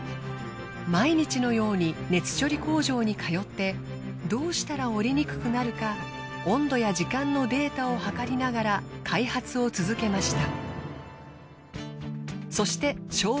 毎日のように熱処理工場に通ってどうしたら折れにくくなるか温度や時間のデータを測りながら開発を続けました。